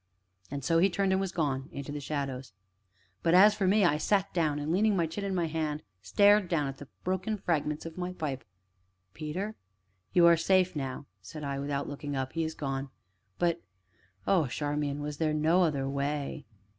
And so he turned, and was gone into the shadows. But as for me, I sat down, and, leaning my chin in my hand, stared down at the broken fragments of my pipe. "Peter?" "You are safe now," said I, without looking up, "he is gone but, oh, Charmian! was there no other way